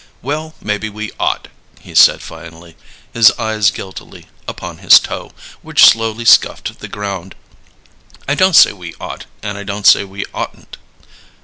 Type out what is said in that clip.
"Well, maybe we ought," he said finally, his eyes guiltily upon his toe, which slowly scuffed the ground. "I don't say we ought, and I don't say we oughtn't."